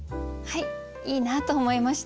いいなと思いました。